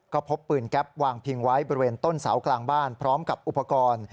ก็พบปืนแก๊ปวางพิงไว้บริเวณต้นเสากลางบ้านพร้อมกับอุปกรณ์